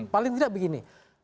paling tidak begini